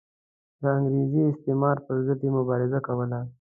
د انګریزي استعمار پر ضد یې مبارزه کوله.